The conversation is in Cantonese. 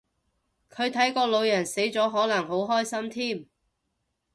佢睇個老人死咗可能好開心添